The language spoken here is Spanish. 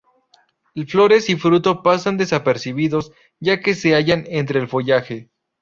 Flores y fruto pasan desapercibidos, ya que se hallan entre el follaje.